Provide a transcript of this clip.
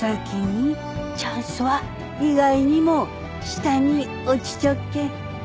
チャンスは意外にも下に落ちちょっけん。